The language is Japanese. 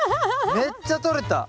めっちゃとれた。